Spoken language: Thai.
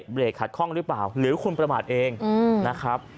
เบรกขัดข้องหรือเปล่าหรือคุณประมาทเองนะครับ